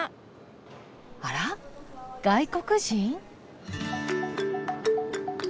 あらっ外国人？